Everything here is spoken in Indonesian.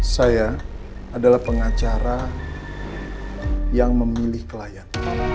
saya adalah pengacara yang memilih klien